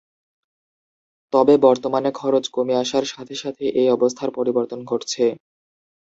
তবে বর্তমানে খরচ কমে আসার সাথে সাথে এই অবস্থার পরিবর্তন ঘটছে।